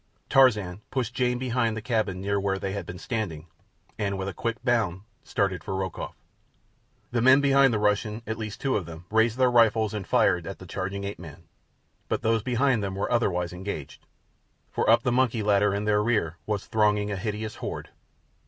Tarzan pushed Jane behind the cabin near which they had been standing, and with a quick bound started for Rokoff. The men behind the Russian, at least two of them, raised their rifles and fired at the charging ape man; but those behind them were otherwise engaged—for up the monkey ladder in their rear was thronging a hideous horde.